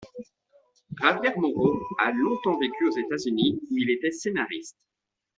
Javier Moro a longtemps vécu aux États-Unis où il était scénariste.